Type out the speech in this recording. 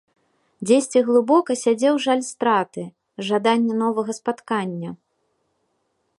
Дзесьці глыбока сядзеў жаль страты, жаданне новага спаткання.